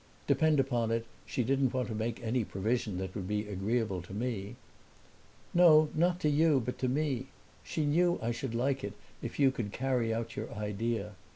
"Depend upon it she didn't want to make any provision that would be agreeable to me." "No, not to you but to me. She knew I should like it if you could carry out your idea.